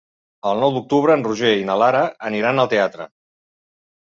El nou d'octubre en Roger i na Lara aniran al teatre.